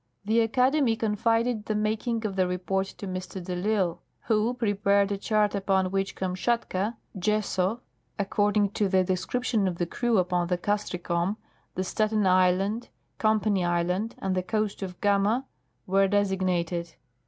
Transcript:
The Academy confided the making of the report to Mr. Delisle, who prepared a chart upon which Kamschatka, Jeso, according to the descri]jtion of the crew upon the Castricom, the Staten island. Company island, and the coast of Gama were designated.